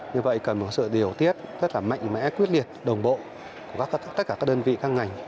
như vậy cần một sự điều tiết rất là mạnh mẽ quyết liệt đồng bộ của tất cả các đơn vị các ngành